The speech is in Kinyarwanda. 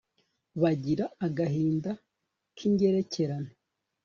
bagira agahinda k'ingerekerane